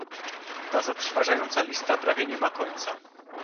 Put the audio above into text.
Ta zatrważająca lista prawie nie ma końca